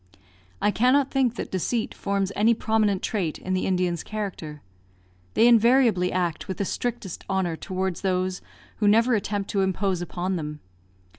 I cannot think that deceit forms any prominent trait in the Indian's character. They invariably act with the strictest honour towards those who never attempt to impose upon them.